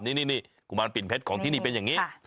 นี่กุมารปิ่นเพชรของที่นี่เป็นอย่างนี้